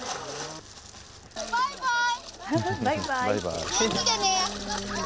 バイバイ！